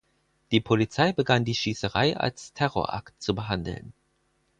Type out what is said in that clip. Die Polizei begann die Schießerei als Terrorakt zu behandeln.